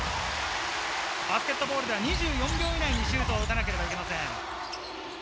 バスケットボールでは２４秒以内にシュートを打たなければなりません。